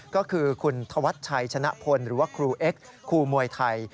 ก็คือคุณธวัชชัยชนะพลหรือว่าครูเอ็กซ์ครูมวยไทย